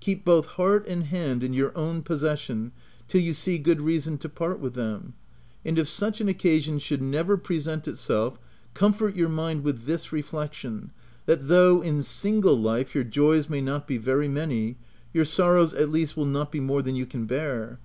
Keep both heart and hand in your own possession, till you see good reason to part with them ; and if such an occasion should never present itself, comfort your mind with this reflection : that, though in single life your joys may not be very many, your sorrows, at least will not be more than you can bear.